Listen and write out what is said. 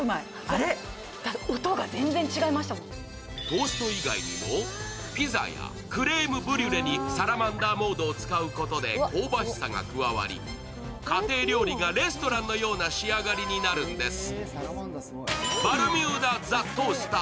トースト以外にもピザやクレームブリュレにサラマンダーモードを使うことで香ばしさが加わり、家庭料理がレストランのような仕上がりになるんです。